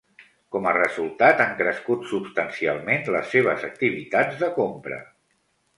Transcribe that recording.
Com a resultat, han crescut substancialment les seves activitats de compra.